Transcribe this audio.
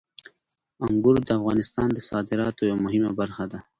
انګور د افغانستان د صادراتو یوه مهمه برخه ده.